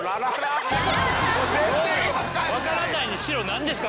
分からないにしろ何ですか？